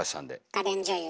家電女優。